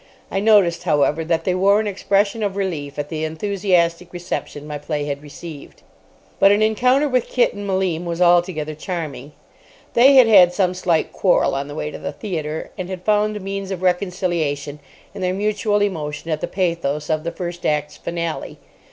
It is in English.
I noticed, however, that they wore an expression of relief at the enthusiastic reception my play had received. But an encounter with Kit and Malim was altogether charming. They had had some slight quarrel on the way to the theatre, and had found a means of reconciliation in their mutual emotion at the pathos of the first act's finale.